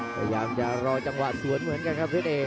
พยายามจะรอจังหวะสวนเหมือนกันครับเพชรเอก